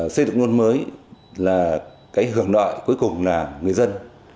xây dựng nông thôn mới là cái hưởng đoạn cuối cùng là người dân